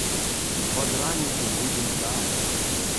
Пад раніцу будзем там!